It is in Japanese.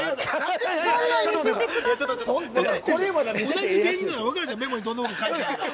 同じ芸人ならわかるじゃんメモにどんな事書いてあるか。